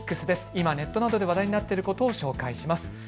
今ネットなどで話題になっていることを紹介します。